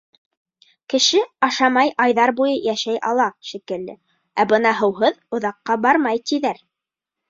Кеше ашамай айҙар буйы йәшәй ала, шикелле, ә бына һыуһыҙ оҙаҡҡа бармай, тиҙәр.